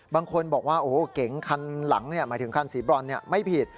บางคนบอกว่าโอ้โหเก๋งคันหลังหมายถึงคันสีบรอนไม่ผิด